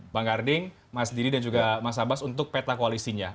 bang karding mas didi dan juga mas abbas untuk peta koalisinya